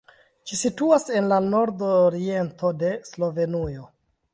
Ĝi situas en la nordoriento de Slovenujo.